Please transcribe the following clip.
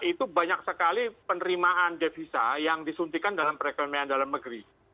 itu banyak sekali penerimaan devisa yang disuntikan dalam perekonomian dalam negeri